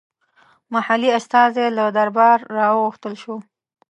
محلي استازی له درباره راوغوښتل شو.